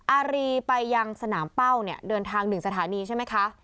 อารีไปยังสนามเป้าเนี่ยเดินทาง๑สถานีใช่ไหมคะ